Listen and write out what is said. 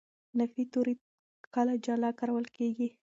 نفي توري کله جلا کارول کېږي.